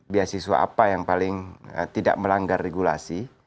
beasiswa apa yang paling tidak melanggar regulasi